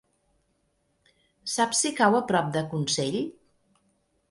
Saps si cau a prop de Consell?